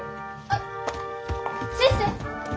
あっ先生！